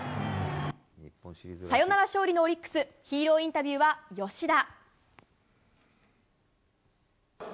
サヨナラ勝利のオリックスヒーローインタビューは吉田。